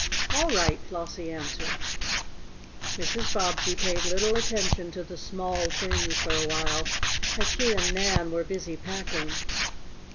"All right," Flossie answered. Mrs. Bobbsey paid little attention to the small twins for a while as she and Nan were busy packing.